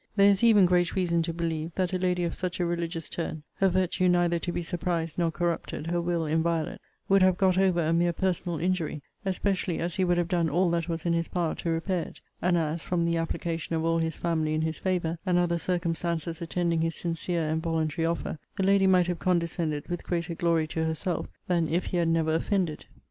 There is even great reason to believe, that a lady of such a religious turn, her virtue neither to be surprised nor corrupted, her will inviolate, would have got over a mere personal injury; especially as he would have done all that was in his power to repair it; and as, from the application of all his family in his favour, and other circumstances attending his sincere and voluntary offer, the lady might have condescended, with greater glory to herself, than if he had never offended.